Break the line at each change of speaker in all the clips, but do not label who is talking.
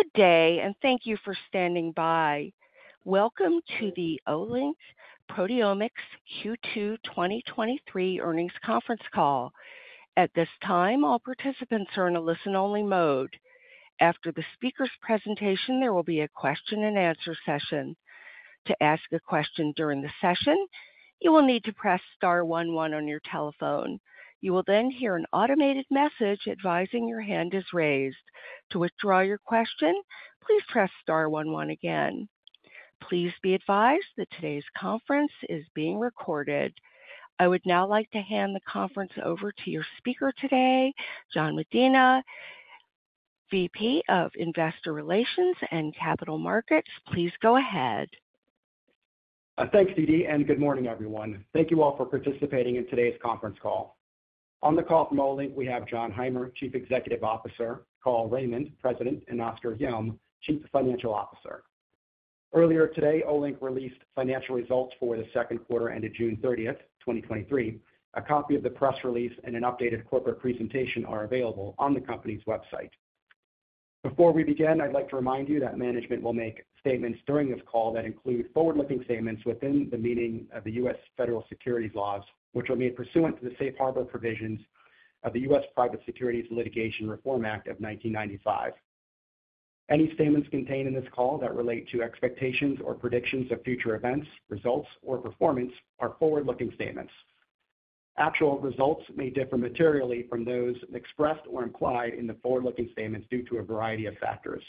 Good day, and thank you for standing by. Welcome to the Olink Proteomics Q2 2023 earnings conference call. At this time, all participants are in a listen-only mode. After the speaker's presentation, there will be a question-and-answer session. To ask a question during the session, you will need to press star one one on your telephone. You will then hear an automated message advising your hand is raised. To withdraw your question, please press star one one again. Please be advised that today's conference is being recorded. I would now like to hand the conference over to your speaker today, Jan Medina, VP of Investor Relations and Capital Markets. Please go ahead.
Thanks, TD. Good morning, everyone. Thank you all for participating in today's conference call. On the call from Olink, we have Jon Heimer, Chief Executive Officer, Carl Raimond, President, and Oskar Hjelm, Chief Financial Officer. Earlier today, Olink released financial results for the second quarter ended June 30th, 2023. A copy of the press release and an updated corporate presentation are available on the company's website. Before we begin, I'd like to remind you that management will make statements during this call that include forward-looking statements within the meaning of the U.S. federal securities laws, which will be pursuant to the Safe Harbor Provisions of the U.S. Private Securities Litigation Reform Act of 1995. Any statements contained in this call that relate to expectations or predictions of future events, results, or performance are forward-looking statements. Actual results may differ materially from those expressed or implied in the forward-looking statements due to a variety of factors.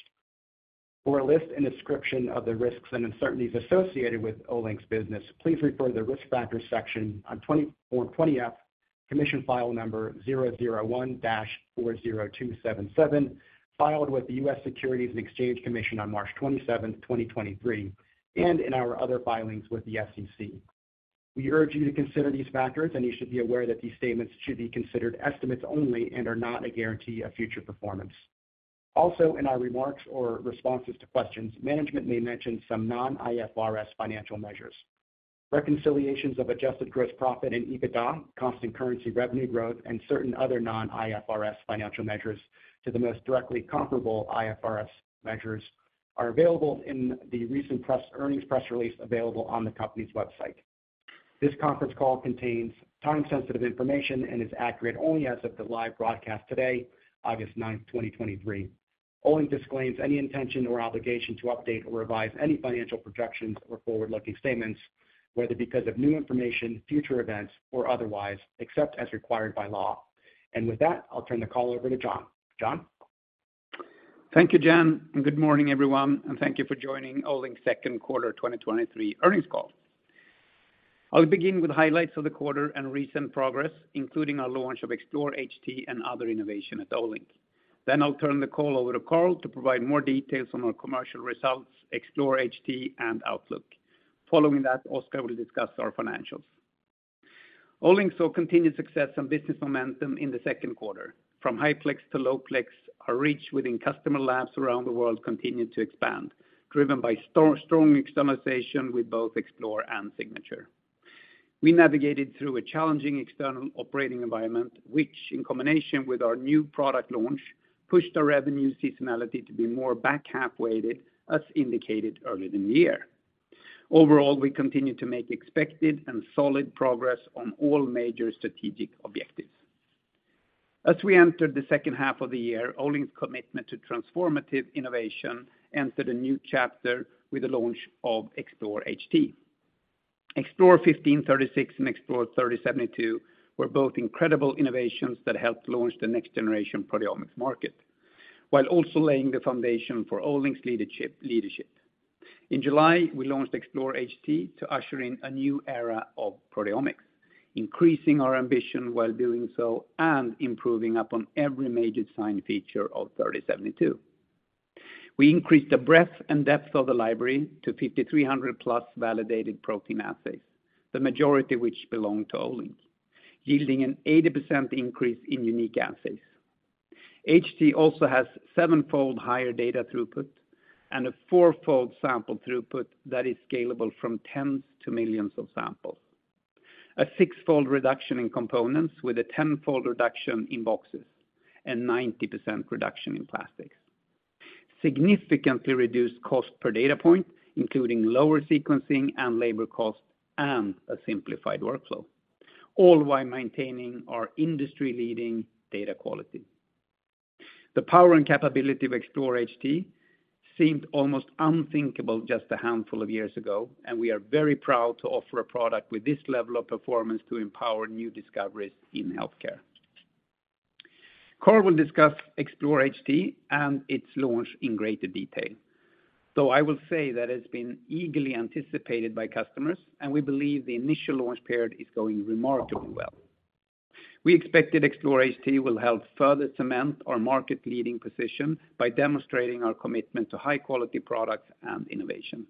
For a list and description of the risks and uncertainties associated with Olink's business, please refer to the Risk Factors section on Form 20-F, commission file number 001-40277, filed with the U.S. Securities and Exchange Commission on March 27th, 2023, and in our other filings with the SEC. We urge you to consider these factors, and you should be aware that these statements should be considered estimates only and are not a guarantee of future performance. Also, in our remarks or responses to questions, management may mention some non-IFRS financial measures. Reconciliations of adjusted gross profit and EBITDA, constant currency revenue growth, and certain other non-IFRS financial measures to the most directly comparable IFRS measures are available in the recent press-- earnings press release available on the company's website. This conference call contains time-sensitive information and is accurate only as of the live broadcast today, August 9th, 2023. Olink disclaims any intention or obligation to update or revise any financial projections or forward-looking statements, whether because of new information, future events, or otherwise, except as required by law. With that, I'll turn the call over to Jon. Jon?
Thank you, Jan, good morning, everyone, and thank you for joining Olink second quarter 2023 earnings call. I'll begin with highlights of the quarter and recent progress, including our launch of Explore HT and other innovation at Olink. I'll turn the call over to Carl to provide more details on our commercial results, Explore HT, and outlook. Oskar will discuss our financials. Olink saw continued success and business momentum in the second quarter. From high-plex to low-plex, our reach within customer labs around the world continued to expand, driven by strong customization with both Explore and Signature. We navigated through a challenging external operating environment, which, in combination with our new product launch, pushed our revenue seasonality to be more back-half weighted, as indicated earlier in the year. Overall, we continued to make expected and solid progress on all major strategic objectives. As we entered the second half of the year, Olink's commitment to transformative innovation entered a new chapter with the launch of Explore HT. Explore 1536 and Explore 3072 were both incredible innovations that helped launch the next generation proteomics market, while also laying the foundation for Olink's leadership. In July, we launched Explore HT to usher in a new era of proteomics, increasing our ambition while doing so and improving upon every major design feature of 3072. We increased the breadth and depth of the library to 5,300+ validated protein assays, the majority of which belong to Olink, yielding an 80% increase in unique assays. HT also has 7-fold higher data throughput and a 4-fold sample throughput that is scalable from tens to millions of samples. A 6-fold reduction in components with a 10-fold reduction in boxes and 90% reduction in plastics. Significantly reduced cost per data point, including lower sequencing and labor cost and a simplified workflow, all while maintaining our industry-leading data quality. The power and capability of Explore HT seemed almost unthinkable just a handful of years ago. We are very proud to offer a product with this level of performance to empower new discoveries in healthcare. Carl will discuss Explore HT and its launch in greater detail, though I will say that it's been eagerly anticipated by customers. We believe the initial launch period is going remarkably well. We expected Explore HT will help further cement our market-leading position by demonstrating our commitment to high-quality products and innovation.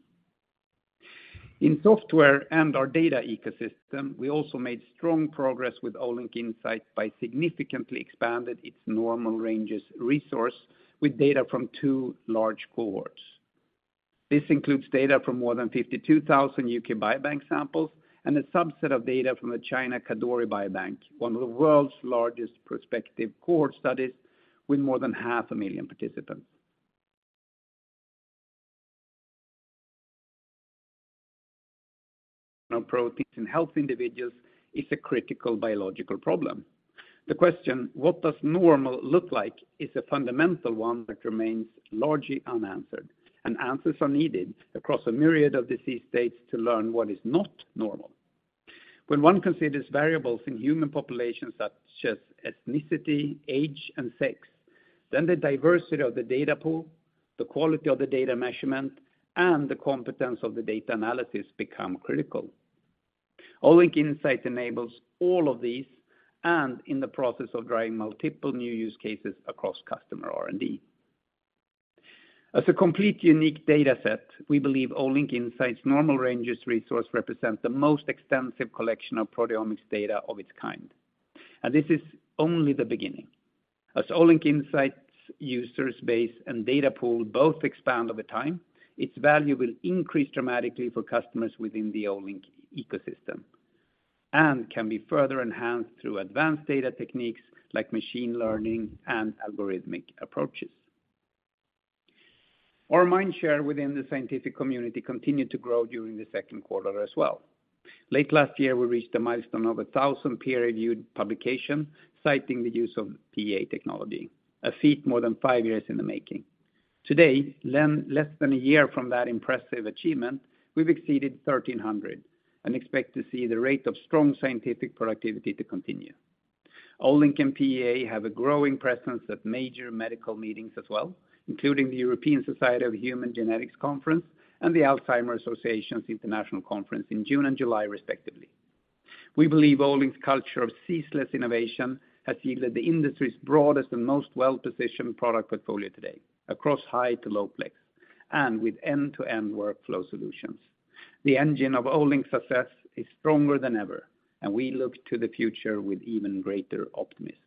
In software and our data ecosystem, we also made strong progress with Olink Insight by significantly expanded its normal ranges resource with data from two large cohorts. This includes data from more than 52,000 U.K. Biobank samples and a subset of data from the China Kadoorie Biobank, one of the world's largest prospective cohort studies, with more than 500,000 participants. Now, proteins in healthy individuals is a critical biological problem. The question, what does normal look like, is a fundamental one that remains largely unanswered, and answers are needed across a myriad of disease states to learn what is not normal. When one considers variables in human populations such as ethnicity, age, and sex, then the diversity of the data pool, the quality of the data measurement, and the competence of the data analysis become critical. Olink Insight enables all of these, in the process of driving multiple new use cases across customer R&D. As a completely unique data set, we believe Olink Insight's normal ranges resource represents the most extensive collection of proteomics data of its kind, this is only the beginning. As Olink Insight's users base and data pool both expand over time, its value will increase dramatically for customers within the Olink ecosystem, can be further enhanced through advanced data techniques like machine learning and algorithmic approaches. Our mind share within the scientific community continued to grow during the second quarter as well. Late last year, we reached a milestone of 1,000 peer-reviewed publication, citing the use of PEA technology, a feat more than five years in the making. Today, less than a year from that impressive achievement, we've exceeded 1,300 and expect to see the rate of strong scientific productivity to continue. Olink and PEA have a growing presence at major medical meetings as well, including the European Society of Human Genetics Conference and the Alzheimer's Association's International Conference in June and July, respectively. We believe Olink's culture of ceaseless innovation has yielded the industry's broadest and most well-positioned product portfolio today across high- to low-plex, and with end-to-end workflow solutions. The engine of Olink's success is stronger than ever, we look to the future with even greater optimism.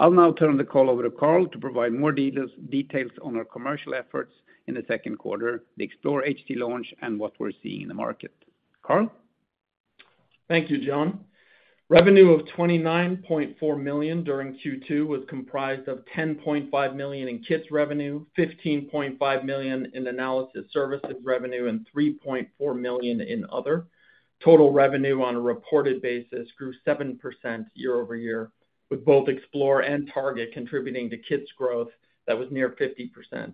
I'll now turn the call over to Carl to provide more details on our commercial efforts in the second quarter, the Explore HT launch, and what we're seeing in the market. Carl?
Thank you, Jon. Revenue of $29.4 million during Q2 was comprised of $10.5 million in kits revenue, $15.5 million in analysis services revenue, and $3.4 million in other. Total revenue on a reported basis grew 7% year-over-year, with both Explore and Target contributing to kits growth that was near 50%.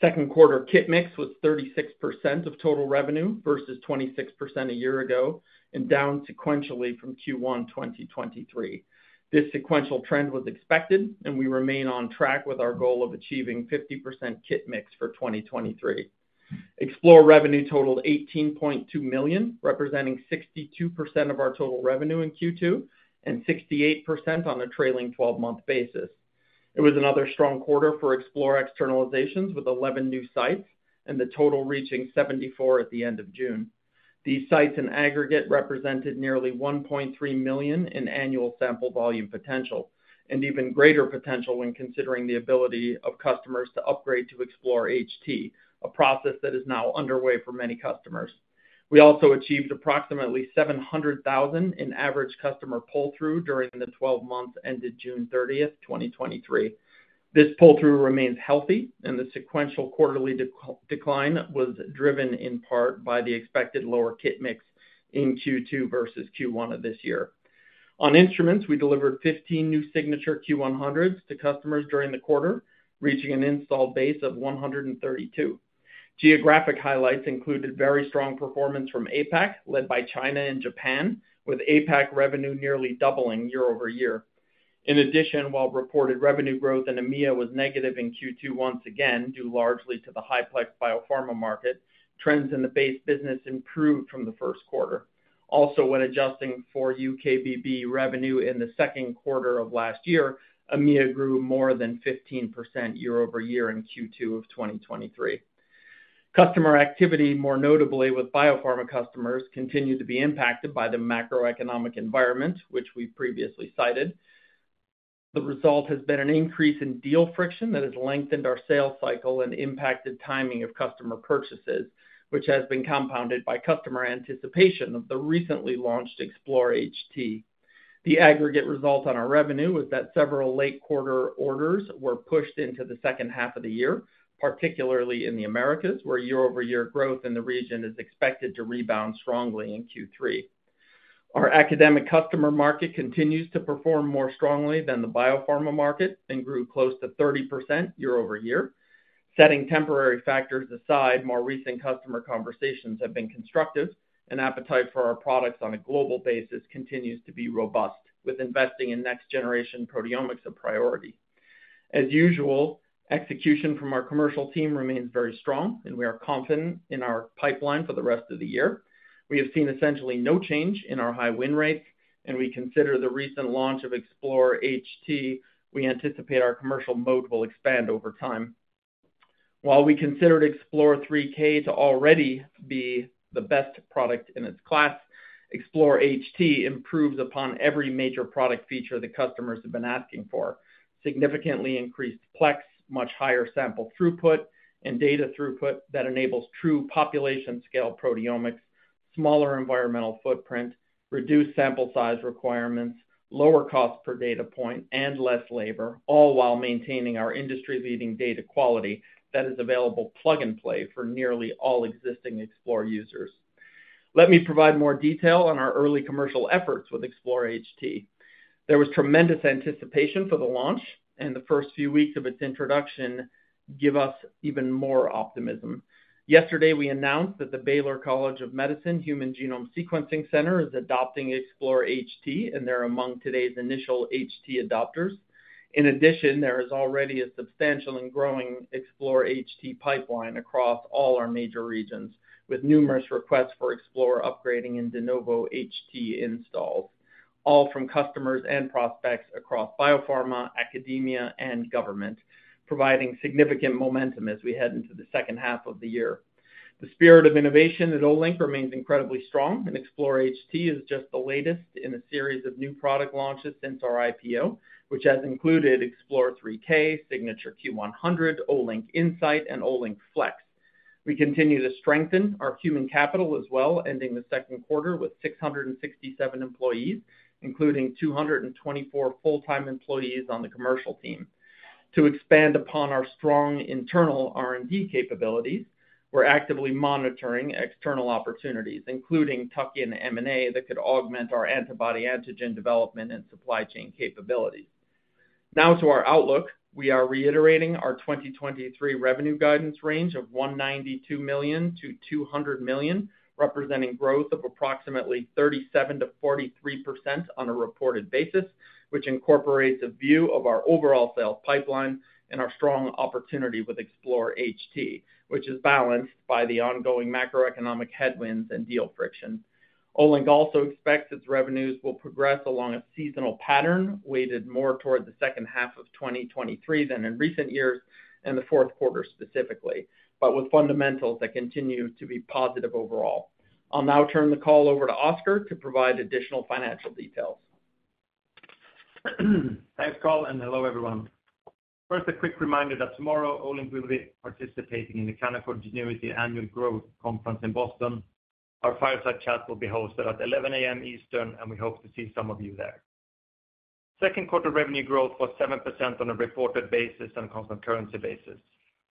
Second quarter kit mix was 36% of total revenue versus 26% a year ago, and down sequentially from Q1 2023. This sequential trend was expected, and we remain on track with our goal of achieving 50% kit mix for 2023. Explore revenue totaled $18.2 million, representing 62% of our total revenue in Q2, and 68% on a trailing 12-month basis. It was another strong quarter for Explore externalizations, with 11 new sites and the total reaching 74 at the end of June. These sites, in aggregate, represented nearly $1.3 million in annual sample volume potential, and even greater potential when considering the ability of customers to upgrade to Explore HT, a process that is now underway for many customers. We also achieved approximately $700,000 in average customer pull-through during the 12 months ended June 30th, 2023. This pull-through remains healthy, and the sequential quarterly decline was driven in part by the expected lower kit mix in Q2 versus Q1 of this year. On instruments, we delivered 15 new Signature Q100s to customers during the quarter, reaching an installed base of 132. Geographic highlights included very strong performance from APAC, led by China and Japan, with APAC revenue nearly doubling year-over-year. In addition, while reported revenue growth in EMEA was negative in Q2, once again, due largely to the high-plex biopharma market, trends in the base business improved from the first quarter. Also, when adjusting for UKBB revenue in the second quarter of last year, EMEA grew more than 15% year-over-year in Q2 of 2023. Customer activity, more notably with biopharma customers, continued to be impacted by the macroeconomic environment, which we previously cited. The result has been an increase in deal friction that has lengthened our sales cycle and impacted timing of customer purchases, which has been compounded by customer anticipation of the recently launched Explore HT. The aggregate result on our revenue was that several late quarter orders were pushed into the second half of the year, particularly in the Americas, where year-over-year growth in the region is expected to rebound strongly in Q3. Our academic customer market continues to perform more strongly than the biopharma market and grew close to 30% year-over-year. Setting temporary factors aside, more recent customer conversations have been constructive. Appetite for our products on a global basis continues to be robust, with investing in next-generation proteomics a priority. As usual, execution from our commercial team remains very strong, and we are confident in our pipeline for the rest of the year. We have seen essentially no change in our high win rates, and we consider the recent launch of Explore HT, we anticipate our commercial mode will expand over time. While we considered Explore 3072 to already be the best product in its class, Explore HT improves upon every major product feature that customers have been asking for. Significantly increased plex, much higher sample throughput, and data throughput that enables true population-scale proteomics, smaller environmental footprint, reduced sample size requirements, lower cost per data point, and less labor, all while maintaining our industry-leading data quality that is available plug and play for nearly all existing Explore users. Let me provide more detail on our early commercial efforts with Explore HT. There was tremendous anticipation for the launch, and the first few weeks of its introduction give us even more optimism. Yesterday, we announced that the Baylor College of Medicine Human Genome Sequencing Center is adopting Explore HT, and they're among today's initial HT adopters. In addition, there is already a substantial and growing Explore HT pipeline across all our major regions, with numerous requests for Explore upgrading and de novo HT installs, all from customers and prospects across biopharma, academia, and government, providing significant momentum as we head into the second half of the year. The spirit of innovation at Olink remains incredibly strong, and Explore HT is just the latest in a series of new product launches since our IPO, which has included Explore 3072, Signature Q100, Olink Insight, and Olink Flex. We continue to strengthen our human capital as well, ending the second quarter with 667 employees, including 224 full-time employees on the commercial team. To expand upon our strong internal R&D capabilities, we're actively monitoring external opportunities, including tuck-in M&A, that could augment our antibody antigen development and supply chain capabilities. Now to our outlook. We are reiterating our 2023 revenue guidance range of $192 million-$200 million, representing growth of approximately 37%-43% on a reported basis, which incorporates a view of our overall sales pipeline and our strong opportunity with Explore HT, which is balanced by the ongoing macroeconomic headwinds and deal friction. Olink also expects its revenues will progress along a seasonal pattern, weighted more toward the second half of 2023 than in recent years, and the fourth quarter specifically, but with fundamentals that continue to be positive overall. I'll now turn the call over to Oskar to provide additional financial details.
Thanks, Carl, and hello, everyone. First, a quick reminder that tomorrow, Olink will be participating in the Canaccord Genuity Annual Growth Conference in Boston. Our fireside chat will be hosted at 11:00 A.M. Eastern, and we hope to see some of you there. Second quarter revenue growth was 7% on a reported basis and constant currency basis.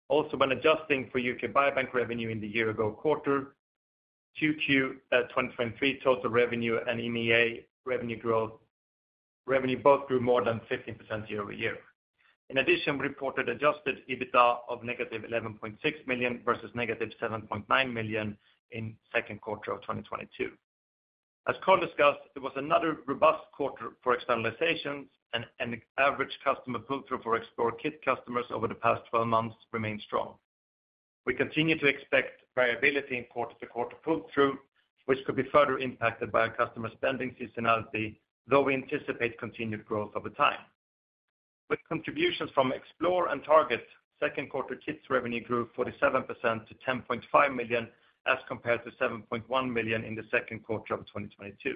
Also, when adjusting for U.K. Biobank revenue in the year-ago quarter, 2Q 2023, total revenue and EMEA revenue growth, revenue both grew more than 15% year-over-year. In addition, we reported Adjusted EBITDA of negative $11.6 million, versus negative $7.9 million in second quarter of 2022. As Carl discussed, it was another robust quarter for externalizations, and average customer pull-through for Explore kit customers over the past 12 months remained strong. We continue to expect variability in quarter-to-quarter pull-through, which could be further impacted by our customer spending seasonality, though we anticipate continued growth over time. With contributions from Explore and Target, second quarter kits revenue grew 47% to $10.5 million, as compared to $7.1 million in the second quarter of 2022.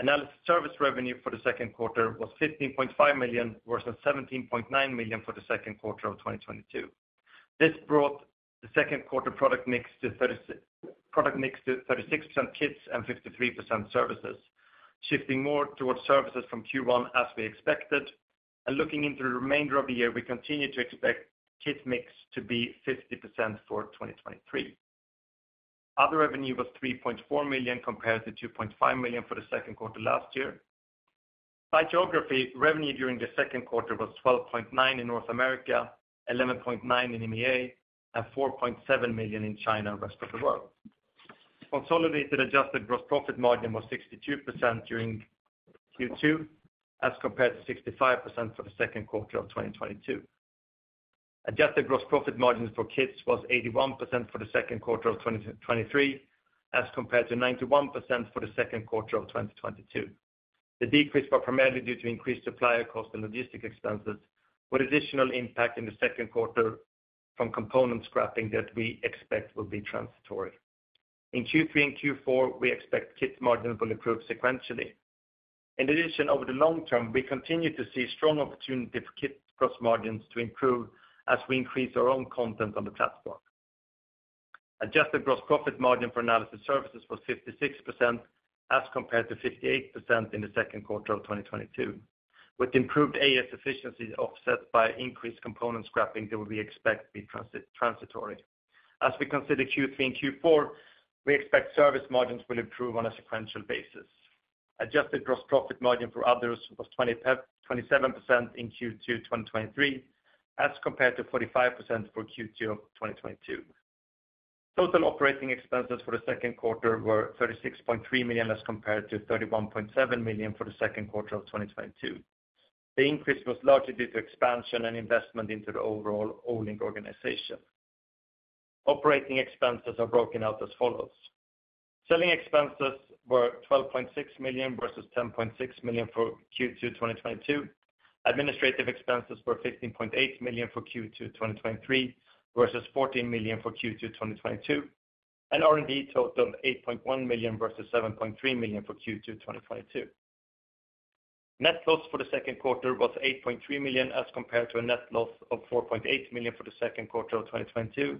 Analysis service revenue for the second quarter was $15.5 million, versus $17.9 million for the second quarter of 2022. This brought the second quarter product mix to 36% kits and 53% services, shifting more towards services from Q1 as we expected. Looking into the remainder of the year, we continue to expect kit mix to be 50% for 2023. Other revenue was $3.4 million, compared to $2.5 million for the second quarter last year. By geography, revenue during the second quarter was $12.9 in North America, $11.9 in EMEA, and $4.7 million in China and rest of the world. Consolidated adjusted gross profit margin was 62% during Q2, as compared to 65% for the second quarter of 2022. Adjusted gross profit margins for kits was 81% for the second quarter of 2023, as compared to 91% for the second quarter of 2022. The decrease was primarily due to increased supplier cost and logistic expenses, with additional impact in the second quarter from component scrapping that we expect will be transitory. In Q3 and Q4, we expect kits margins will improve sequentially. In addition, over the long term, we continue to see strong opportunity for kits gross margins to improve as we increase our own content on the platform. Adjusted gross profit margin for analysis services was 56%, as compared to 58% in the second quarter of 2022, with improved AS efficiency offset by increased component scrapping that we expect to be transitory. As we consider Q3 and Q4, we expect service margins will improve on a sequential basis. Adjusted gross profit margin for others was 27% in Q2 2023, as compared to 45% for Q2 of 2022. Total operating expenses for the second quarter were $36.3 million, as compared to $31.7 million for the second quarter of 2022. The increase was largely due to expansion and investment into the overall Olink organization. Operating expenses are broken out as follows: selling expenses were $12.6 million versus $10.6 million for Q2 2022. Administrative expenses were $15.8 million for Q2 2023, versus $14 million for Q2 2022. R&D totaled $8.1 million versus $7.3 million for Q2 2022. Net loss for the second quarter was $8.3 million, as compared to a net loss of $4.8 million for the second quarter of 2022,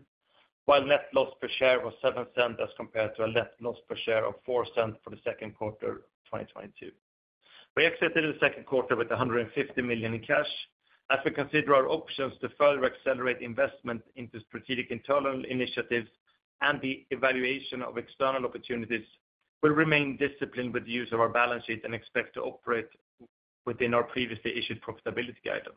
while net loss per share was $0.07, as compared to a net loss per share of $0.04 for the second quarter of 2022. We exited the second quarter with $150 million in cash. As we consider our options to further accelerate investment into strategic internal initiatives and the evaluation of external opportunities, we'll remain disciplined with the use of our balance sheet and expect to operate within our previously issued profitability guidance.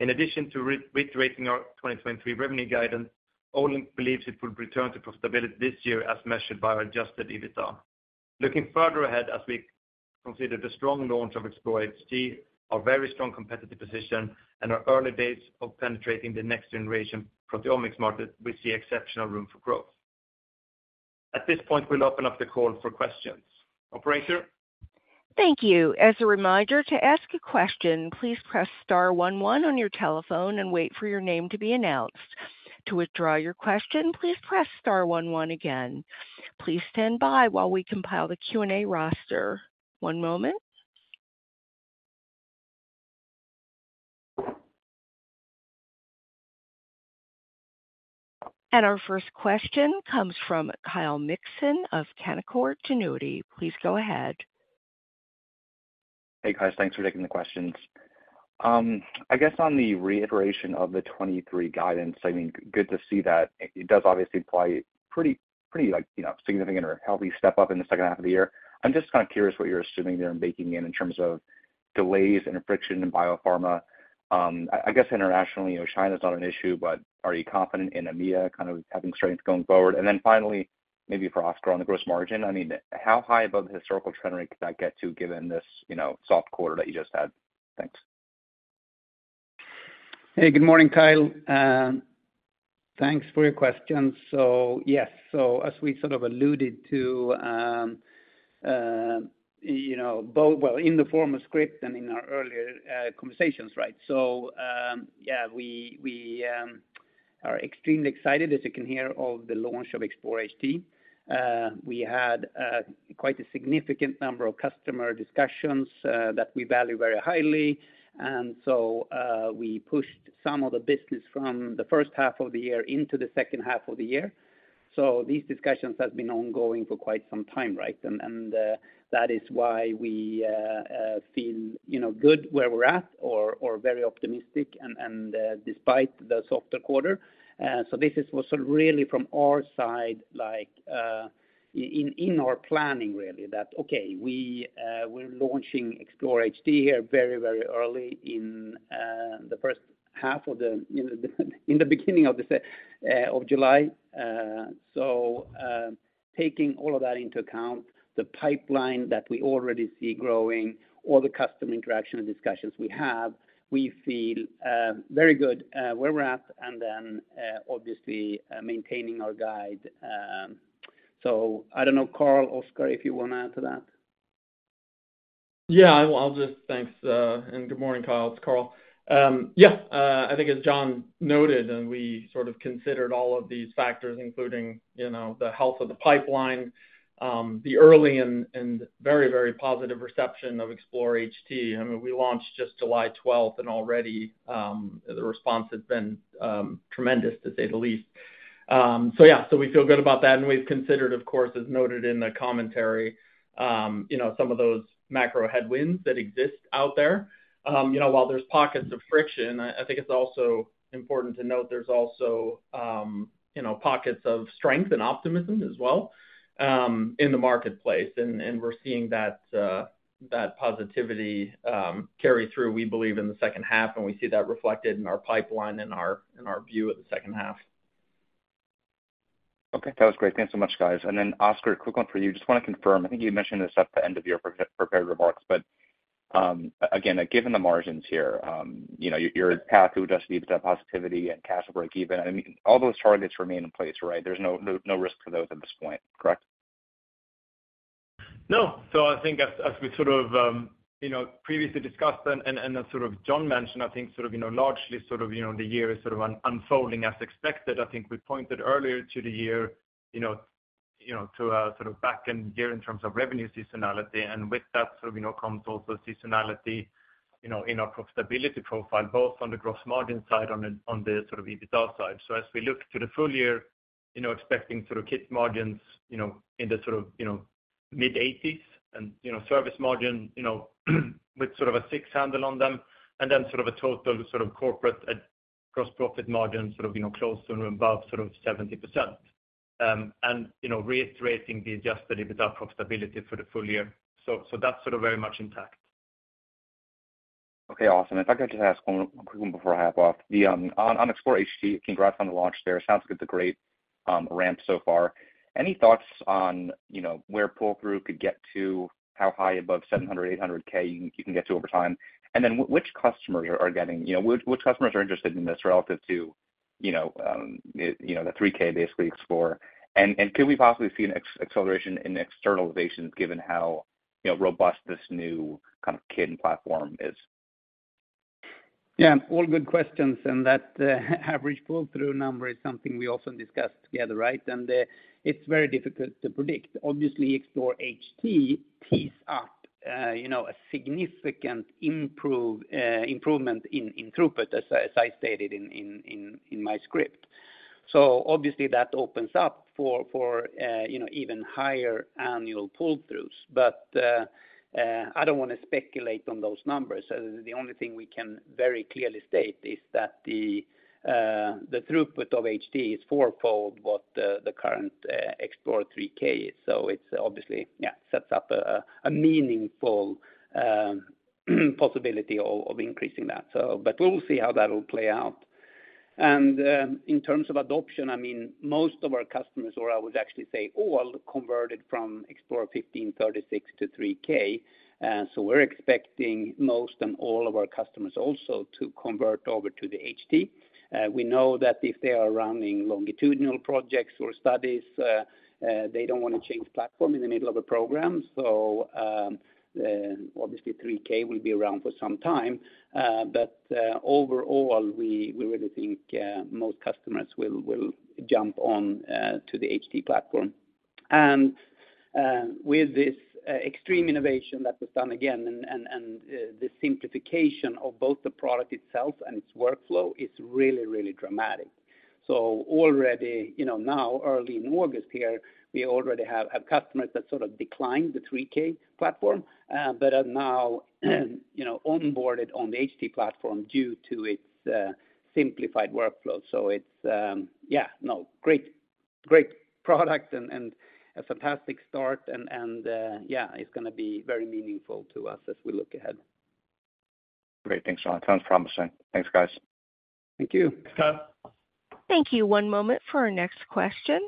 In addition to reiterating our 2023 revenue guidance, Olink believes it will return to profitability this year as measured by our Adjusted EBITDA. Looking further ahead, as we consider the strong launch of Explore HT, our very strong competitive position, and our early days of penetrating the next generation proteomics market, we see exceptional room for growth. At this point, we'll open up the call for questions. Operator?
Thank you. As a reminder, to ask a question, please press star one one on your telephone and wait for your name to be announced. To withdraw your question, please press star one one again. Please stand by while we compile the Q&A roster. One moment. Our first question comes from Kyle Mikson of Canaccord Genuity. Please go ahead.
Hey, guys, thanks for taking the questions. I guess on the reiteration of the 2023 guidance, I mean, good to see that it does obviously imply pretty, pretty, like, you know, significant or healthy step up in the second half of the year. I'm just kind of curious what you're assuming there and baking in, in terms of delays and friction in biopharma. I, I guess internationally, you know, China's not an issue, but are you confident in EMEA kind of having strengths going forward? Finally, maybe for Oskar, on the gross margin, I mean, how high above the historical trend rate could that get to, given this, you know, soft quarter that you just had? Thanks.
Hey, good morning, Kyle, thanks for your question. Yes, as we sort of alluded to, you know, both, well, in the form of script and in our earlier conversations, right? Yeah, we, we are extremely excited, as you can hear, of the launch of Explore HT. We had quite a significant number of customer discussions that we value very highly, we pushed some of the business from the first half of the year into the second half of the year. These discussions have been ongoing for quite some time, right? That is why we feel, you know, good where we're at or very optimistic despite the softer quarter. This is what's really from our side, like, in our planning, really. That, okay, we, we're launching Explore HT here very, very early in, the first half of the, you know, in the beginning of July. Taking all of that into account, the pipeline that we already see growing, all the customer interaction and discussions we have, we feel very good, where we're at and then, obviously, maintaining our guide. I don't know, Carl, Oskar, if you want to add to that?
Yeah, I will. I'll just Thanks, and good morning, Kyle. It's Carl. Yeah, I think as Jon noted, and we sort of considered all of these factors, including, you know, the health of the pipeline, the early and, and very, very positive reception of Explore HT. I mean, we launched just July 12th, and already, the response has been tremendous, to say the least. Yeah, so we feel good about that, and we've considered, of course, as noted in the commentary, you know, some of those macro headwinds that exist out there. You know, while there's pockets of friction, I, I think it's also important to note there's also, you know, pockets of strength and optimism as well, in the marketplace. And we're seeing that positivity carry through, we believe, in the second half, and we see that reflected in our pipeline and our, in our view of the second half.
Okay, that was great. Thanks so much, guys. Oskar, quick one for you. Just want to confirm, I think you mentioned this at the end of your pre- prepared remarks, but again, given the margins here, you know, your, your path to Adjusted EBITDA positivity and cash break even, I mean, all those targets remain in place, right? There's no, no, no risk to those at this point, correct?
No. I think as, as we sort of, you know, previously discussed and as sort of Jon mentioned, I think sort of, you know, largely sort of, you know, the year is sort of unfolding as expected. I think we pointed earlier to the year, you know, to a sort of back-end year in terms of revenue seasonality. With that, sort of, you know, comes also seasonality, you know, in our profitability profile, both on the gross margin side, on the sort of EBITDA side. As we look to the full year, you know, expecting sort of kit margins, you know, in the sort of, you know, mid-80s and, you know, service margin, you know, with sort of a six handle on them, and then sort of a total sort of corporate gross profit margin, sort of, you know, close to about sort of 70%. Reiterateing the Adjusted EBITDA profitability for the full year. That's sort of very much intact.
Okay, awesome. If I could just ask one, one quick one before I hop off. The on Explore HT, congrats on the launch there. Sounds like it's a great ramp so far. Any thoughts on, you know, where pull-through could get to, how high above 700k, 800K you can get to over time? Which customers are getting, you know, which customers are interested in this relative to, you know, the 3072 basically Explore? Could we possibly see an acceleration in externalizations, given how, you know, robust this new kind of kit and platform is?
Yeah, all good questions, that average pull-through number is something we often discuss together, right? It's very difficult to predict. Obviously, Explore HT tees up, you know, a significant improvement in throughput, as I stated in my script. Obviously, that opens up for, for, you know, even higher annual pull-throughs. I don't wanna speculate on those numbers. The only thing we can very clearly state is that the throughput of HT is fourfold what the current Explore 3072 is. It obviously, yeah, sets up a meaningful possibility of increasing that. We'll see how that will play out. In terms of adoption, I mean, most of our customers, or I would actually say all, converted from Explore 1536 to 3072. We're expecting most and all of our customers also to convert over to the HT. We know that if they are running longitudinal projects or studies, they don't want to change platform in the middle of a program. Obviously, 3072 will be around for some time, overall, we, we really think most customers will, will jump on to the HT platform. With this extreme innovation that was done again, the simplification of both the product itself and its workflow is really, really dramatic. Already, you know, now, early in August here, we already have, have customers that sort of declined the 3072 platform, but are now, you know, onboarded on the HT platform due to its simplified workflow. It's, yeah, no, great, great product and, and a fantastic start, and, yeah, it's gonna be very meaningful to us as we look ahead.
Great. Thanks, Jon. Sounds promising. Thanks, guys.
Thank you. Thanks, Kyle.
Thank you. One moment for our next question.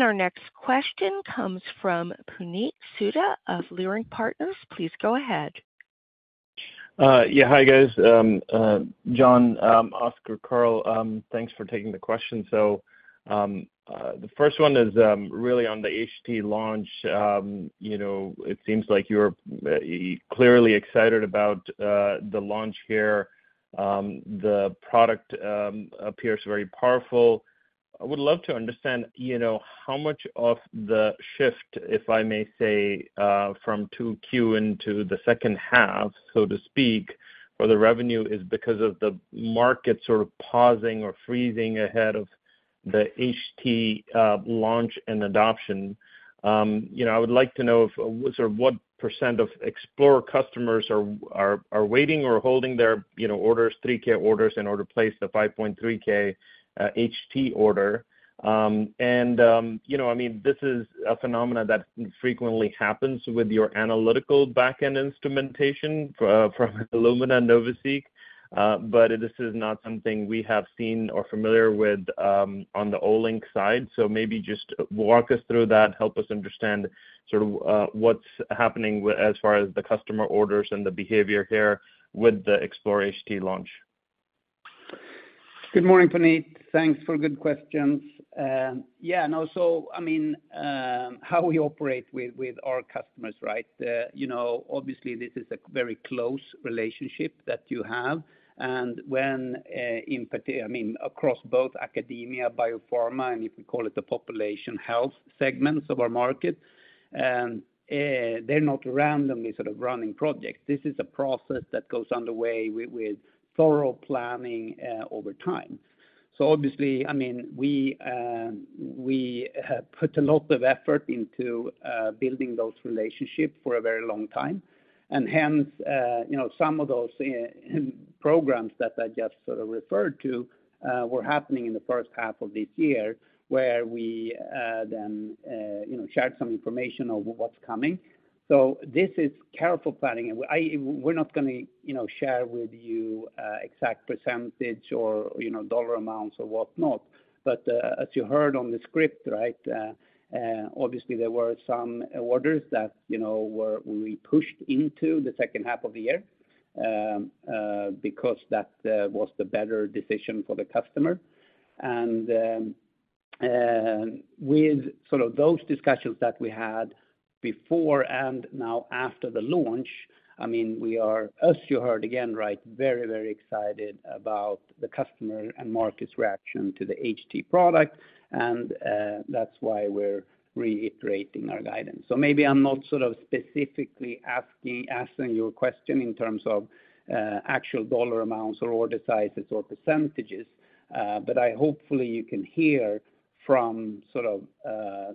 Our next question comes from Puneet Souda of Leerink Partners. Please go ahead.
Yeah. Hi, guys. Jon, Oskar, Carl, thanks for taking the question. The first one is really on the HT launch. You know, it seems like you're clearly excited about the launch here. The product appears very powerful. I would love to understand, you know, how much of the shift, if I may say, from 2Q into the second half, so to speak, or the revenue is because of the market sort of pausing or freezing ahead of the HT launch and adoption. You know, I would like to know if, sort of what percent of Explore customers are waiting or holding their, you know, orders, 3072 orders in order to place the 5.3K HT order. You know, I mean, this is a phenomenon that frequently happens with your analytical back-end instrumentation from Illumina and NovaSeq, but this is not something we have seen or familiar with on the Olink side. Maybe just walk us through that, help us understand what's happening with as far as the customer orders and the behavior here with the Explore HT launch.
Good morning, Puneet. Thanks for good questions. yeah, no, I mean, how we operate with, with our customers, right? you know, obviously this is a very close relationship that you have. When, in particular, I mean, across both academia, biopharma, and if you call it the population health segments of our market, they're not randomly sort of running projects. This is a process that goes underway with, with thorough planning, over time. Obviously, I mean, we put a lot of effort into building those relationships for a very long time. Hence, you know, some of those programs that I just sort of referred to, were happening in the first half of this year, where we, then, you know, shared some information on what's coming. This is careful planning, and we're not gonna, you know, share with you, exact percentage or, you know, dollar amounts or whatnot. As you heard on the script, right, obviously, there were some orders that, you know, were, we pushed into the second half of the year, because that was the better decision for the customer. With sort of those discussions that we had before and now after the launch, I mean, we are, as you heard again, right, very, very excited about the customer and market's reaction to the HT product. That's why we're reiterating our guidance. Maybe I'm not sort of specifically asking, asking your question in terms of actual dollar amounts or order sizes or percentages, but I hopefully you can hear from sort of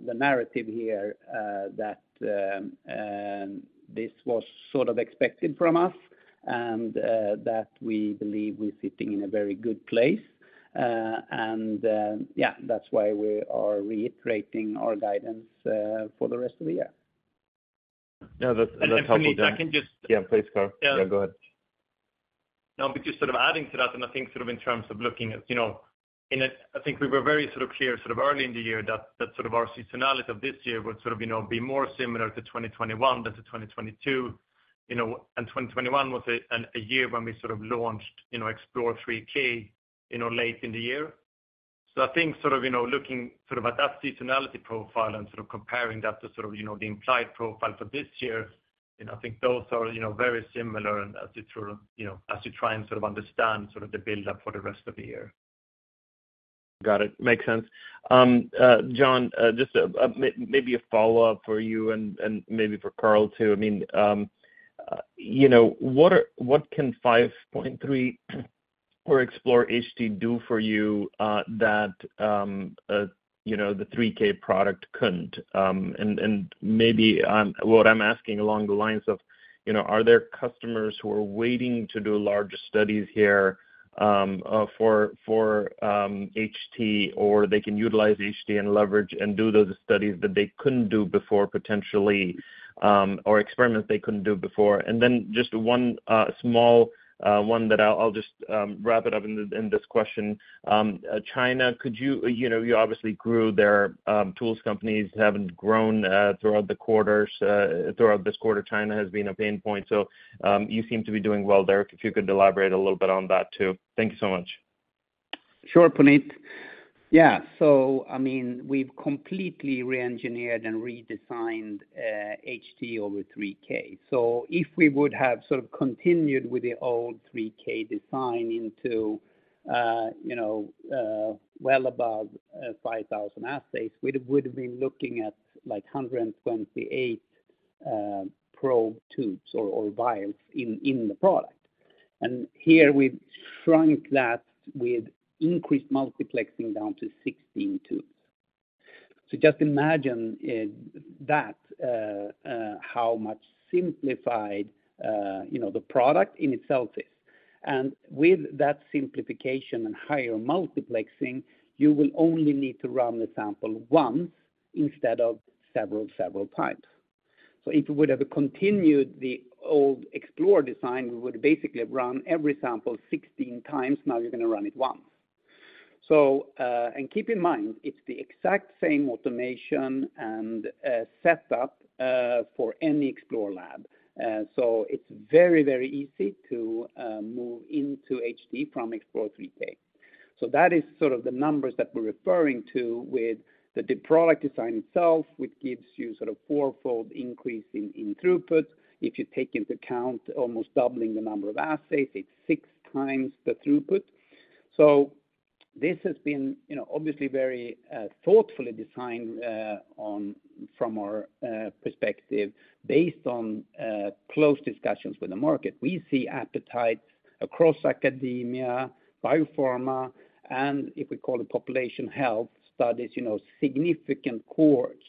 the narrative here that this was sort of expected from us, and that we believe we're sitting in a very good place. Yeah, that's why we are reiterating our guidance for the rest of the year.
Yeah, that's, that's helpful then.
Puneet, I can.
Yeah, please, Carl. Yeah, go ahead.
Just sort of adding to that, I think sort of in terms of looking at, you know, I think we were very sort of clear, sort of early in the year, that, that sort of our seasonality of this year would sort of, you know, be more similar to 2021 than to 2022, you know, and 2021 was a year when we sort of launched, you know, Explore 3072, you know, late in the year. I think sort of, you know, looking sort of at that seasonality profile and sort of comparing that to sort of, you know, the implied profile for this year, you know, I think those are, you know, very similar as you sort of, you know, as you try and sort of understand sort of the buildup for the rest of the year.
Got it. Makes sense. Jon, just maybe a follow-up for you and, and maybe for Carl, too. I mean, you know, what can 5.3 or Explore HT do for you that, you know, the 3072 product couldn't? And, and maybe, what I'm asking along the lines of, you know, are there customers who are waiting to do larger studies here for, for HT, or they can utilize HT and leverage and do those studies that they couldn't do before, potentially, or experiments they couldn't do before? Just one small one that I'll, I'll just wrap it up in, in this question. China, could you... You know, you obviously grew there, tools companies haven't grown throughout the quarters. Throughout this quarter, China has been a pain point. You seem to be doing well there. If you could elaborate a little bit on that, too. Thank you so much.
Sure, Puneet. Yeah, I mean, we've completely reengineered and redesigned HT over 3072. If we would have sort of continued with the old 3072 design into, you know, well above 5,000 assays, we would have been looking at, like, 128 probe tubes or vials in the product. Here we've shrunk that with increased multiplexing down to 16 tubes. Just imagine that how much simplified, you know, the product in itself is. With that simplification and higher multiplexing, you will only need to run the sample once instead of several, several times. If we would have continued the old Explore design, we would basically run every sample 16 times. You're going to run it once. Keep in mind, it's the exact same automation and setup for any Explore lab. It's very, very easy to move into HT from Explore 3072. That is sort of the numbers that we're referring to with the product design itself, which gives you sort of fourfold increase in throughput. If you take into account almost doubling the number of assays, it's six times the throughput. This has been, you know, obviously very thoughtfully designed from our perspective, based on close discussions with the market. We see appetite across academia, biopharma, and if we call it population health studies, you know, significant cohorts.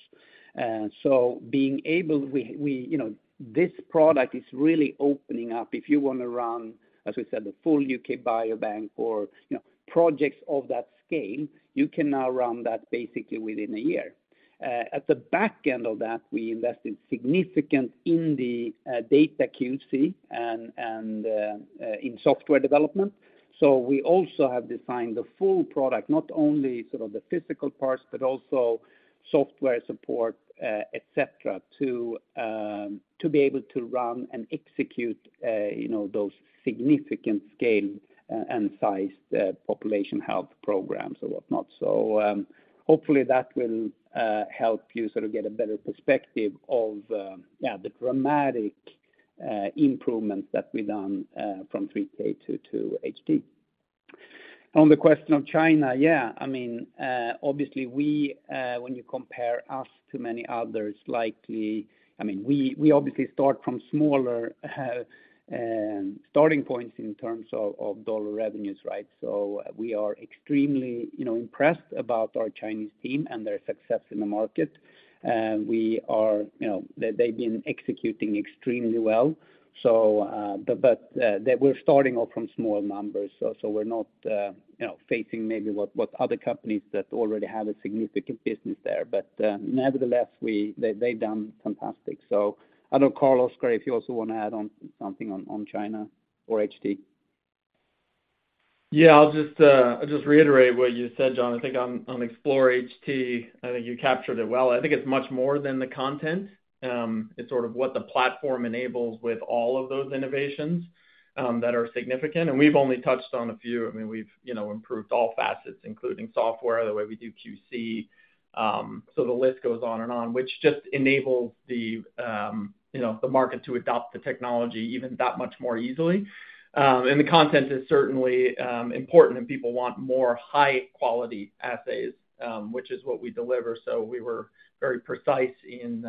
Being able, you know, this product is really opening up. If you want to run, as we said, the full U.K. Biobank or, you know, projects of that scale, you can now run that basically within a year. At the back end of that, we invested significant in the data QC and in software development. We also have designed the full product, not only sort of the physical parts, but also software support, et cetera, to be able to run and execute, you know, those significant scale and size population health programs or whatnot. Hopefully that will help you sort of get a better perspective of, yeah, the dramatic improvements that we've done from 3072 to HT. On the question of China, yeah, I mean, obviously we, when you compare us to many others, likely, I mean, we, we obviously start from smaller starting points in terms of dollar revenues, right? We are extremely, you know, impressed about our Chinese team and their success in the market. We are, you know, they, they've been executing extremely well. But, but, they were starting off from small numbers, so, so we're not, you know, facing maybe what other companies that already have a significant business there. But, nevertheless, they, they've done fantastic. I don't know, Carl, Oskar, if you also want to add on something on China or HT.
Yeah, I'll just, I'll just reiterate what you said, Jon. I think on, on Explore HT, I think you captured it well. I think it's much more than the content. It's sort of what the platform enables with all of those innovations that are significant, and we've only touched on a few. I mean, we've, you know, improved all facets, including software, the way we do QC. The list goes on and on, which just enables the, you know, the market to adopt the technology even that much more easily. The content is certainly important, and people want more high-quality assays, which is what we deliver. We were very precise in,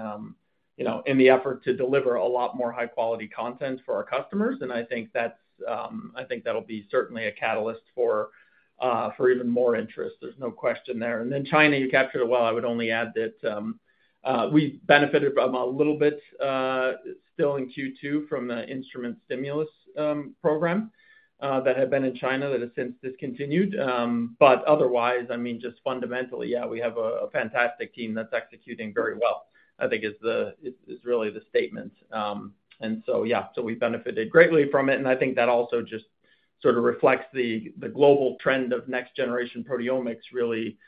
you know, in the effort to deliver a lot more high-quality content for our customers, and I think that's, I think that'll be certainly a catalyst for even more interest. There's no question there. China, you captured it well. I would only add that we benefited from a little bit, still in Q2 from the instrument stimulus program, that had been in China that has since discontinued. Otherwise, I mean, just fundamentally, yeah, we have a fantastic team that's executing very well, I think is really the statement. Yeah, we've benefited greatly from it, and I think that also just sort of reflects the global trend of next generation proteomics really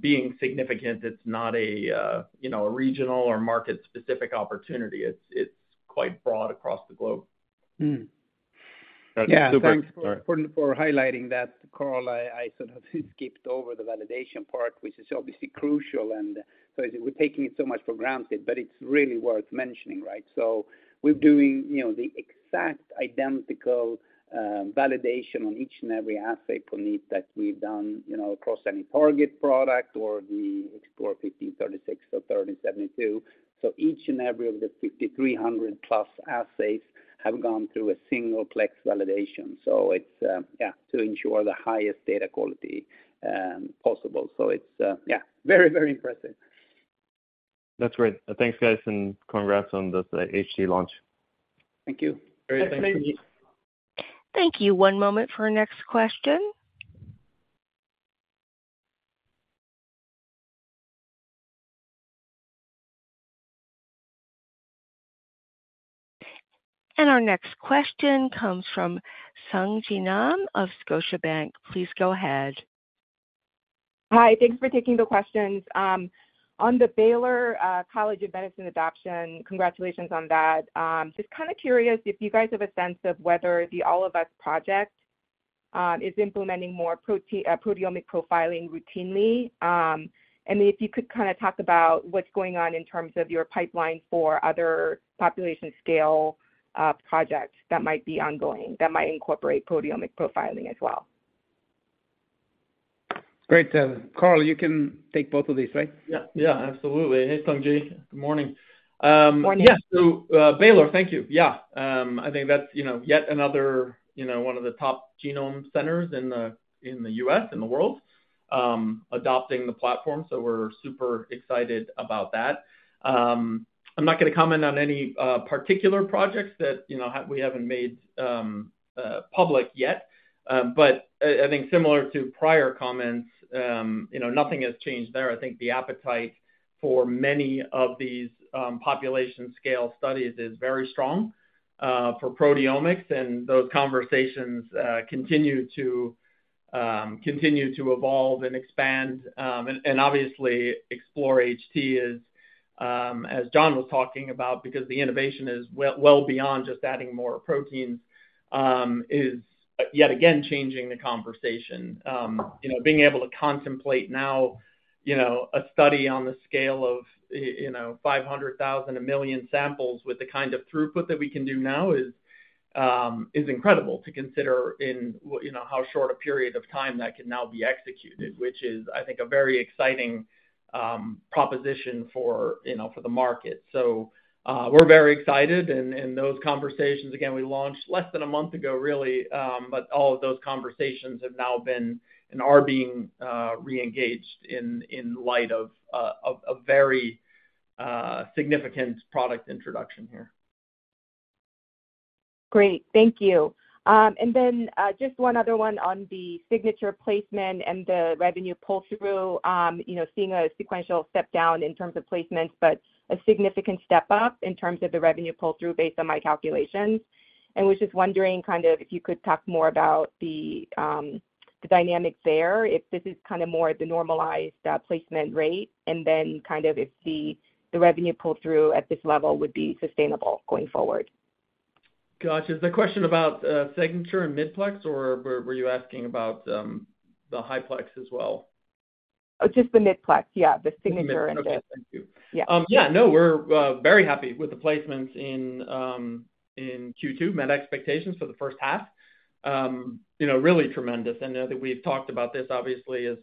being significant. It's not a, you know, a regional or market-specific opportunity. It's, it's quite broad across the globe.
Mm-hmm.
Yeah, thanks for, for highlighting that, Carl. I, I sort of skipped over the validation part, which is obviously crucial, and we're taking it so much for granted, but it's really worth mentioning, right? We're doing, you know, the exact identical validation on each and every assay for need that we've done, you know, across any target product or the Explore 1536 or 3072. Each and every of the 5,300+ assays have gone through a single plex validation. It's, yeah, to ensure the highest data quality possible. It's, yeah, very, very impressive.
That's great. Thanks, guys, and congrats on the HT launch.
Thank you.
Great. Thanks.
Thank you. One moment for our next question. Our next question comes from Sung Ji Nam of Scotiabank. Please go ahead.
Hi, thanks for taking the questions. On the Baylor College of Medicine adoption, congratulations on that. Just kind of curious if you guys have a sense of whether the All of Us project is implementing more proteomic profiling routinely. If you could kind of talk about what's going on in terms of your pipeline for other population scale projects that might be ongoing, that might incorporate proteomic profiling as well.
Great, Carl, you can take both of these, right?
Yeah, yeah, absolutely. Hey, Sung Ji. Good morning.
Morning.
Yeah, so, Baylor, thank you. Yeah, I think that's, you know, yet another, you know, one of the top genome centers in the, in the U.S., in the world, adopting the platform. We're super excited about that. I'm not gonna comment on any particular projects that, you know, we haven't made public yet. I, I think similar to prior comments, you know, nothing has changed there. I think the appetite for many of these population scale studies is very strong for proteomics, and those conversations continue to continue to evolve and expand. And obviously Explore HT is, as Jon was talking about, because the innovation is well, well beyond just adding more proteins, is yet again, changing the conversation. You know, being able to contemplate now, you know, a study on the scale of, you know, 500,000, 1 million samples with the kind of throughput that we can do now is incredible to consider in you know, how short a period of time that can now be executed, which is, I think, a very exciting proposition for, you know, for the market. We're very excited, and, and those conversations, again, we launched less than a month ago, really, but all of those conversations have now been and are being re-engaged in, in light of a, a very significant product introduction here.
Great. Thank you. Then, just one other one on the Signature placement and the revenue pull-through. You know, seeing a sequential step down in terms of placements, but a significant step up in terms of the revenue pull-through based on my calculations. Was just wondering, kind of, if you could talk more about the dynamics there, if this is kind of more the normalized placement rate, and then kind of if the revenue pull-through at this level would be sustainable going forward?
Gotcha. Is the question about Signature and mid-plex, or were, were you asking about the high-plex as well?
Just the mid-plex. Yeah, the Signature.
Okay. Thank you.
Yeah.
Yeah, no, we're very happy with the placements in Q2. Met expectations for the first half. You know, really tremendous, and I know that we've talked about this obviously, as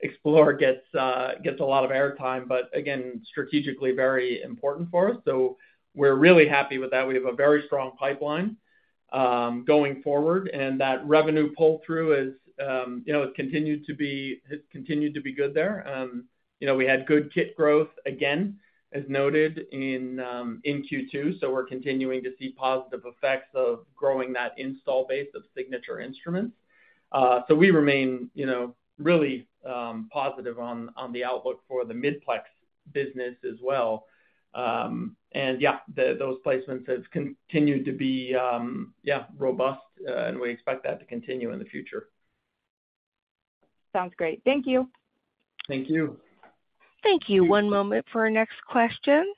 Explore gets a lot of airtime, but again, strategically very important for us. We're really happy with that. We have a very strong pipeline, going forward, and that revenue pull-through is, you know, it's continued to be, it's continued to be good there. You know, we had good kit growth, again, as noted in Q2, so we're continuing to see positive effects of growing that install base of Signature instruments. We remain, you know, really positive on, on the outlook for the mid-plex business as well. The, those placements have continued to be robust, and we expect that to continue in the future.
Sounds great. Thank you.
Thank you.
Thank you. One moment for our next question.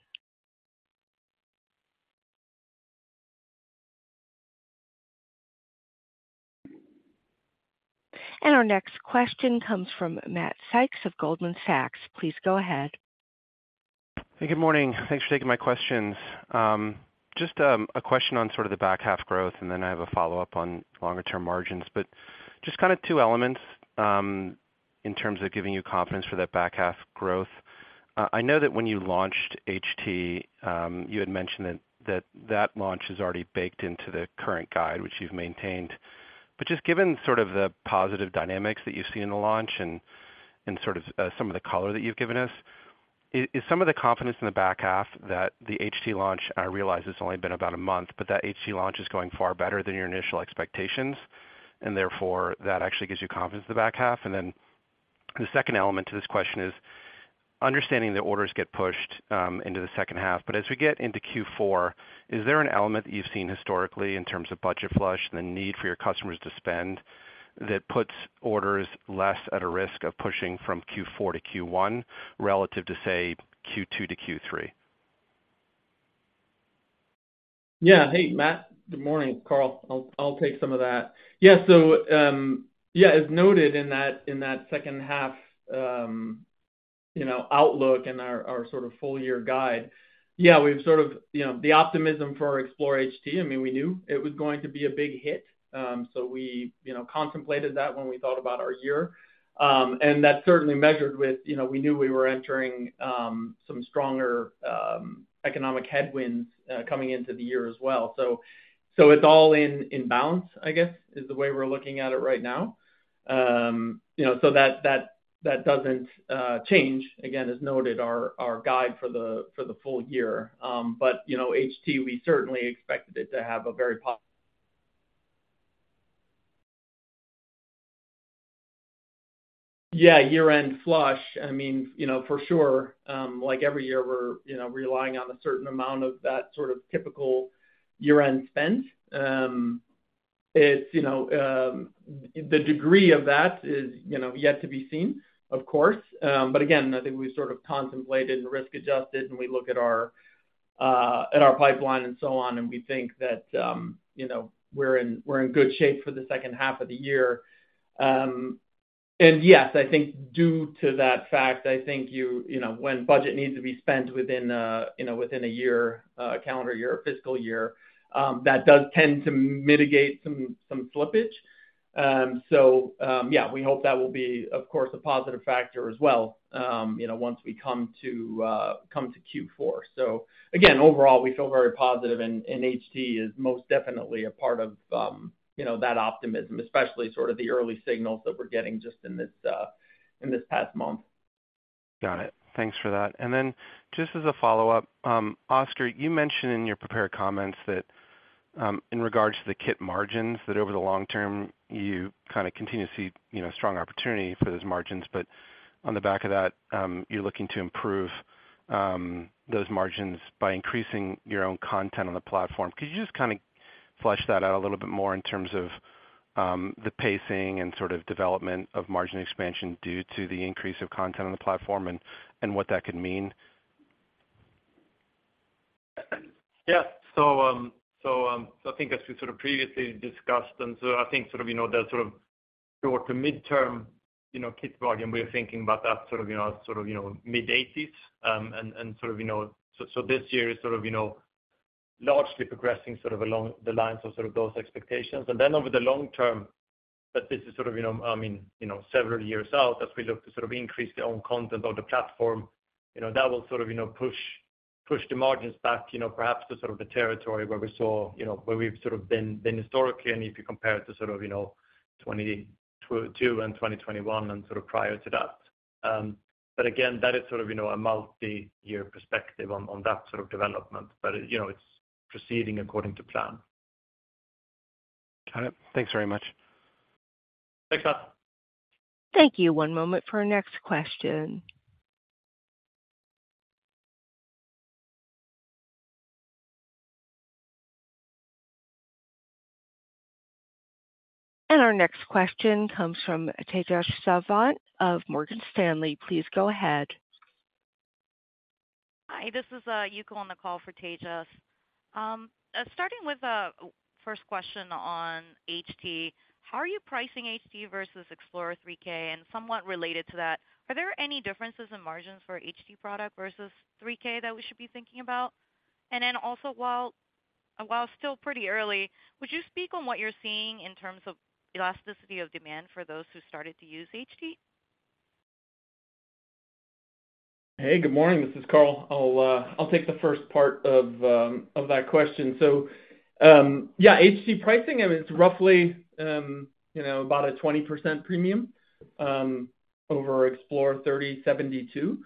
Our next question comes from Matt Sykes of Goldman Sachs. Please go ahead.
Hey, good morning. Thanks for taking my questions. Just a question on sort of the back half growth, and then I have a follow-up on longer term margins, but just kind of two elements in terms of giving you confidence for that back half growth. I know that when you launched HT, you had mentioned that that launch is already baked into the current guide, which you've maintained. Just given sort of the positive dynamics that you see in the launch and sort of some of the color that you've given us, is some of the confidence in the back half that the HT launch, I realize it's only been about one month, but that HT launch is going far better than your initial expectations, and therefore, that actually gives you confidence in the back half? The second element to this question is understanding that orders get pushed into the second half. As we get into Q4, is there an element that you've seen historically in terms of budget flush and the need for your customers to spend, that puts orders less at a risk of pushing from Q4 to Q1 relative to, say, Q2 to Q3?
Yeah. Hey, Matt. Good morning, Carl. I'll, I'll take some of that. Yeah, so, yeah, as noted in that, in that second half, you know, outlook and our, our sort of full year guide, yeah, we've sort of, you know, the optimism for our Explore HT, I mean, we knew it was going to be a big hit. We, you know, contemplated that when we thought about our year. That certainly measured with, you know, we knew we were entering some stronger economic headwinds coming into the year as well. It's all in, in balance, I guess, is the way we're looking at it right now. You know, so that, that, that doesn't change, again, as noted, our, our guide for the, for the full year. You know, HT, we certainly expected it to have a very Yeah, year-end flush. I mean, you know, for sure, like, every year, we're, you know, relying on a certain amount of that sort of typical year-end spend. It's, you know, the degree of that is, you know, yet to be seen, of course. Again, I think we sort of contemplated and risk-adjusted, and we look at our at our pipeline and so on, and we think that, you know, we're in, we're in good shape for the second half of the year. Yes, I think due to that fact, I think you, you know, when budget needs to be spent within, you know, within a year, a calendar year, a fiscal year, that does tend to mitigate some, some slippage. Yeah, we hope that will be, of course, a positive factor as well, you know, once we come to, come to Q4. Again, overall, we feel very positive, and, and HT is most definitely a part of, you know, that optimism, especially sort of the early signals that we're getting just in this past month.
Got it. Thanks for that. Then just as a follow-up, Oskar, you mentioned in your prepared comments that in regards to the kit margins, that over the long term, you kind of continue to see, you know, strong opportunity for those margins. On the back of that, you're looking to improve those margins by increasing your own content on the platform. Could you just kind of flesh that out a little bit more in terms of the pacing and sort of development of margin expansion due to the increase of content on the platform and, and what that could mean?
Yeah. I think as we sort of previously discussed, and I think sort of, you know, the sort of short to midterm, you know, kit margin, we're thinking about that sort of, you know, sort of, you know, mid-80s, and, and sort of, you know... This year is sort of, you know, largely progressing sort of along the lines of sort of those expectations. Then over the long term, but this is sort of, you know, I mean, you know, several years out, as we look to sort of increase their own content on the platform, you know, that will sort of, you know, push, push the margins back, you know, perhaps to sort of the territory where we saw, you know, where we've sort of been, been historically. If you compare it to sort of, you know, 2022 and 2021 and sort of prior to that. Again, that is sort of, you know, a multi-year perspective on that sort of development. You know, it's proceeding according to plan.
Got it. Thanks very much.
Thanks, Matt.
Thank you. One moment for our next question. Our next question comes from Tejas Savant of Morgan Stanley. Please go ahead.
Hi, this is Yuko on the call for Tejas. Starting with the first question on HT. How are you pricing HT versus Explore 3072? Somewhat related to that, are there any differences in margins for HT product versus 3072 that we should be thinking about? Also, while still pretty early, would you speak on what you're seeing in terms of elasticity of demand for those who started to use HT?
Hey, good morning. This is Carl. I'll take the first part of that question. Yeah, HT pricing, I mean, it's roughly, you know, about a 20% premium over Explore 3072.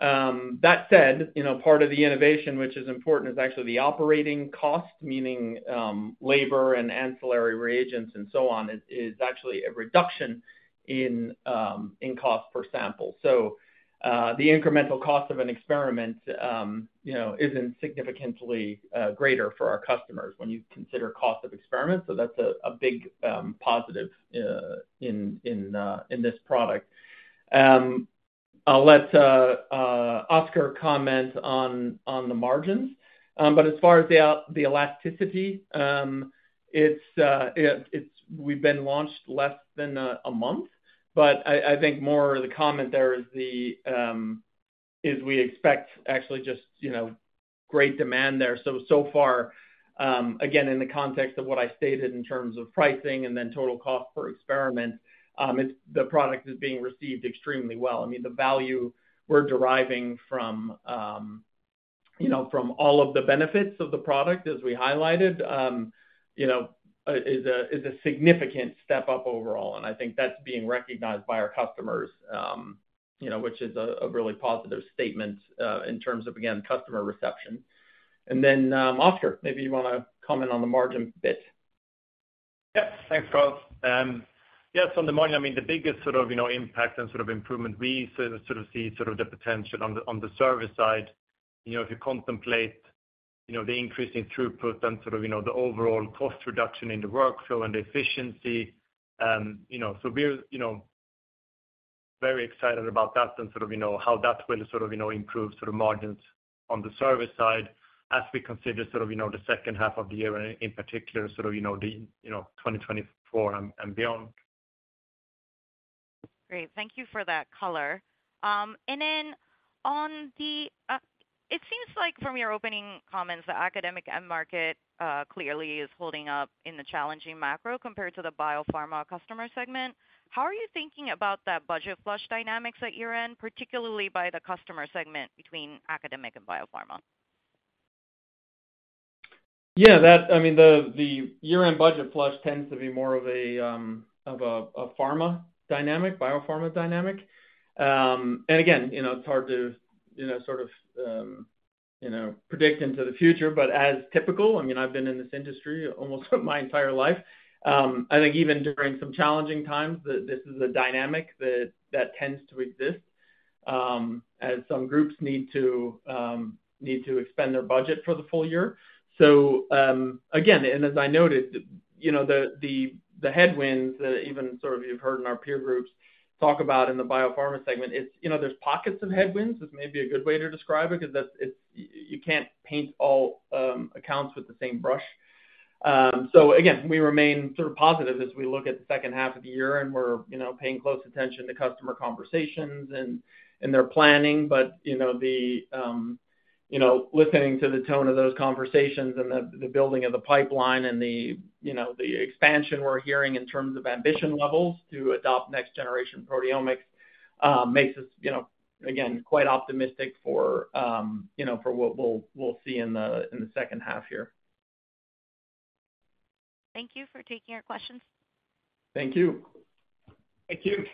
That said, you know, part of the innovation, which is important, is actually the operating cost, meaning, labor and ancillary reagents and so on, is, is actually a reduction in cost per sample. The incremental cost of an experiment, you know, isn't significantly greater for our customers when you consider cost of experiments. That's a big positive in this product. I'll let Oskar comment on the margins. As far as the elasticity, it's we've been launched less than a month, but I think more the comment there is we expect actually just, you know, great demand there. So far, again, in the context of what I stated in terms of pricing and then total cost per experiment, it's the product is being received extremely well. I mean, the value we're deriving from, you know, from all of the benefits of the product, as we highlighted, you know, is a significant step up overall, and I think that's being recognized by our customers, you know, which is a really positive statement in terms of, again, customer reception. Then, Oskar, maybe you want to comment on the margin bit?
Yep, thanks, Carl. Yes, on the margin, I mean, the biggest sort of, you know, impact and sort of improvement, we sort of, sort of see sort of the potential on the, on the service side. You know, if you contemplate, you know, the increase in throughput and sort of, you know, the overall cost reduction in the workflow and the efficiency, you know, so we're, you know, very excited about that and sort of, you know, how that will sort of, you know, improve sort of margins on the service side as we consider sort of, you know, the second half of the year, in particular, sort of, you know, the, you know, 2024 and, and beyond.
Great. Thank you for that color. On the, it seems like from your opening comments, the academic end market clearly is holding up in the challenging macro compared to the biopharma customer segment. How are you thinking about that budget flush dynamics at year-end, particularly by the customer segment between academic and biopharma?
Yeah, that, I mean, the, the year-end budget flush tends to be more of a, of a, a pharma dynamic, biopharma dynamic. Again, you know, it's hard to, you know, sort of, you know, predict into the future. As typical, I mean, I've been in this industry almost my entire life, I think even during some challenging times, that this is a dynamic that, that tends to exist, as some groups need to, need to expend their budget for the full year. Again, and as I noted, you know, the, the, the headwinds, even sort of you've heard in our peer groups talk about in the biopharma segment, it's, you know, there's pockets of headwinds, is maybe a good way to describe it, 'cause that's, you can't paint all accounts with the same brush. Again, we remain sort of positive as we look at the second half of the year, and we're, you know, paying close attention to customer conversations and, and their planning. You know, the, you know, listening to the tone of those conversations and the, the building of the pipeline and the, you know, the expansion we're hearing in terms of ambition levels to adopt next generation proteomics, makes us, you know, again, quite optimistic for, you know, for what we'll, we'll see in the, in the second half here.
Thank you for taking our questions.
Thank you.
Thank you.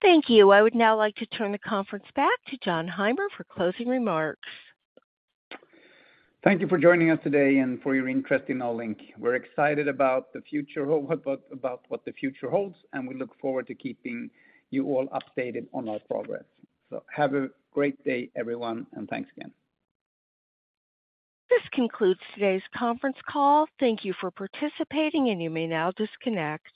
Thank you. I would now like to turn the conference back to Jon Heimer for closing remarks.
Thank you for joining us today and for your interest in Olink. We're excited about the future, about what the future holds, and we look forward to keeping you all updated on our progress. Have a great day, everyone, and thanks again.
This concludes today's conference call. Thank you for participating. You may now disconnect.